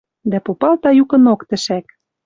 Дӓ попалта юкынок тӹшӓк: